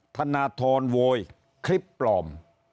ธนทรวงศ์โวยคลิปปลอม